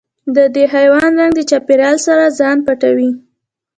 د دې حیوان رنګ د چاپېریال سره ځان پټوي.